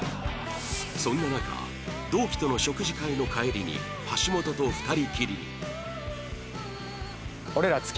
そんな中同期との食事会の帰りに橋本と２人きりに